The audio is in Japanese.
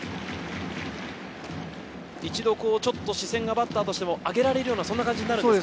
一度ちょっと視線がバッターとしても上げられるような感じになるんですか？